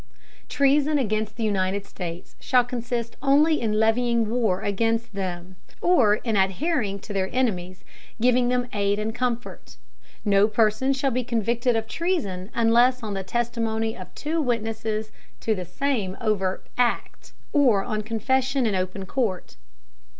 Treason against the United States, shall consist only in levying War against them, or in adhering to their Enemies, giving them Aid and Comfort. No Person shall be convicted of Treason unless on the Testimony of two Witnesses to the same overt Act, or on Confession in open Court.